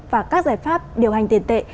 và các giải pháp điều hành tiền tệ